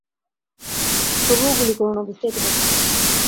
তবুও গুলি কোরো না, বুঝতেই তো পারছো?